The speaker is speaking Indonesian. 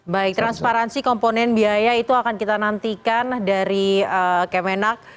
baik transparansi komponen biaya itu akan kita nantikan dari kemenak